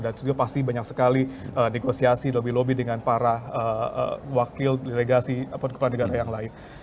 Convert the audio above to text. dan juga pasti banyak sekali negosiasi lobby lobby dengan para wakil delegasi atau kepala negara yang lain